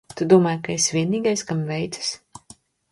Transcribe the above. Tu domāji, ka esi vienīgais, kam veicas?